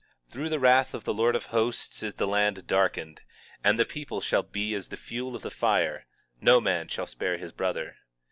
19:19 Through the wrath of the Lord of Hosts is the land darkened, and the people shall be as the fuel of the fire; no man shall spare his brother.